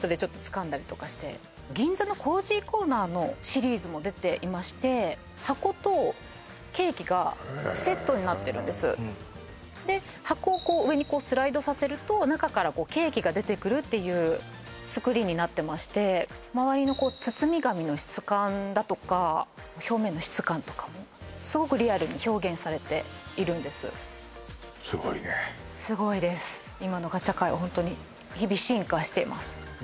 銀座のコージーコーナーのシリーズも出ていまして箱とケーキがセットになってるんですで箱を上にスライドさせると中からケーキが出てくるっていう作りになってまして周りの包み紙の質感だとか表面の質感とかもすごくリアルに表現されているんですすごいですうわ